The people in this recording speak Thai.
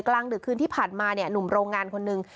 กลางดื่มคืนที่ผ่านมาหนุ่มโรงงานคนหนึ่ง